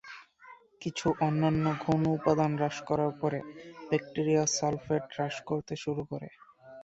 কিছু অন্যান্য গৌণ উপাদান হ্রাস করার পরে, ব্যাকটিরিয়া সালফেট হ্রাস করতে শুরু করে।